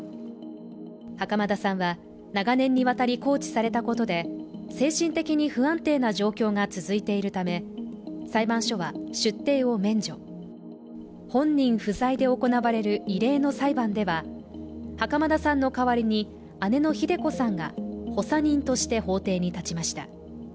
袴田さんは長年にわたり拘置されたことで精神的に不安定な状況が続いているため、裁判所は出廷を免除、本人不在で行われる異例の裁判では、袴田さんの代わりに姉のひで子さんが補佐人として法廷に立ちました。